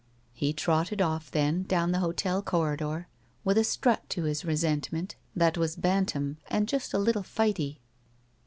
He trotted oflf, then, down the hotel corridor, with a strut to his resentment that was bantam and just a Uttle fighty.